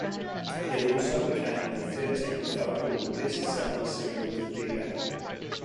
It also became the thirteenth overall best-selling single of the decade.